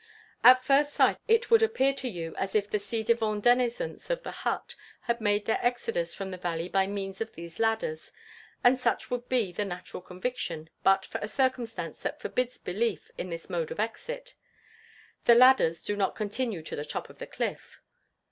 At first sight, it would appear to you as if the ci devant denizens of the hut had made their exodus from the valley by means of these ladders; and such would be the natural conviction, but for a circumstance that forbids belief in this mode of exit: the ladders do not continue to the top of the cliff!